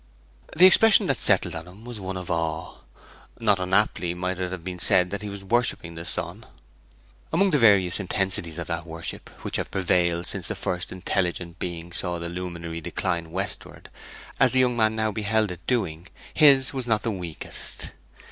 The expression that settled on him was one of awe. Not unaptly might it have been said that he was worshipping the sun. Among the various intensities of that worship which have prevailed since the first intelligent being saw the luminary decline westward, as the young man now beheld it doing, his was not the weakest.